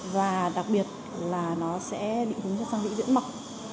và đặc biệt là nó sẽ định hướng cho răng vĩnh viễn mọc